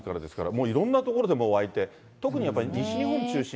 もういろんな所でもう湧いて、特にやっぱり西日本中心？